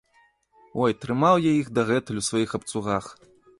Ой, трымаў я іх дагэтуль у сваіх абцугах!